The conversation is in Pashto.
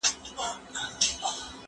کېدای سي درسونه اوږده وي